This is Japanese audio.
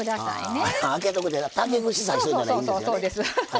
そうです。